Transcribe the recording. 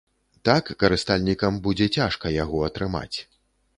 Так карыстальнікам будзе цяжка яго атрымаць.